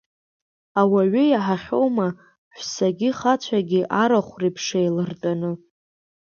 Ауаҩы иаҳахьоума, ҳәсагьы-хацәагьы арахә реиԥш еилартәаны…